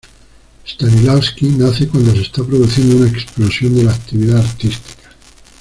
Stanislavski nace cuando se está produciendo una explosión de la actividad artística.